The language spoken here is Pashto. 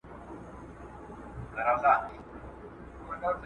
د ډېر څه لپاره لږ څه باید له لاسه ورکړل شي.